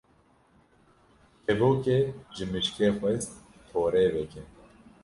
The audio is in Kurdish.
Kevokê ji mişkê xwest torê veke.